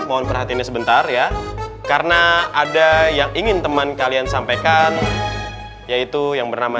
mohon perhatiannya sebentar ya karena ada yang ingin teman kalian sampaikan yaitu yang bernama